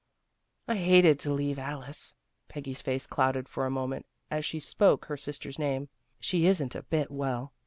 " I hated to leave Alice," Peggy's face clouded for a moment, as she spoke her sister's name. " She isn't a bit well.